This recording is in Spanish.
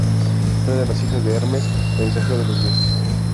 Era una de las hijas de Hermes, el mensajero de los dioses.